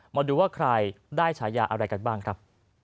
มาดูว่าใครได้ฉายาอะไรกันบ้างครับ